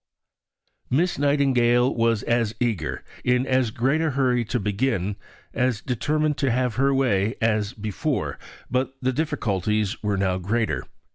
Miss Nightingale was as eager, in as great a hurry to begin, as determined to have her way, as before; but the difficulties were now greater.